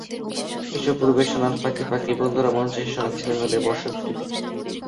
এসব পরিবেশনার ফাঁকে ফাঁকেই বন্ধুরা মঞ্চে এসে শোনাচ্ছিলেন তাদের বর্ষার স্মৃতি।